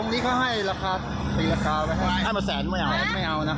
อันนี้เขาให้ราคาตีราคาไว้ให้มาแสนไม่เอาไม่เอานะ